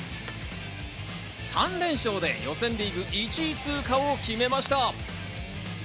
３連勝で予選リーグ１位通過を決めました。